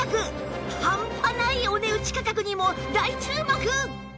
ハンパないお値打ち価格にも大注目！